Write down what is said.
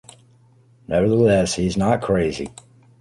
Nevertheless, he is not crazy.